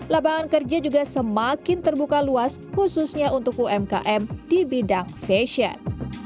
lapangan kerja juga semakin terbuka luas khususnya untuk umkm di bidang fashion